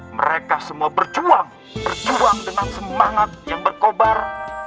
mereka semua berjuang berjuang dengan semangat yang berkobar